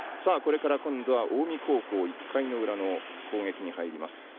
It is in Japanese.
これから今度は近江高校１回の裏の攻撃に入ります。